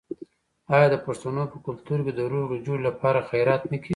آیا د پښتنو په کلتور کې د روغې جوړې لپاره خیرات نه کیږي؟